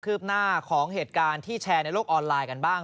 ืบหน้าของเหตุการณ์ที่แชร์ในโลกออนไลน์กันบ้าง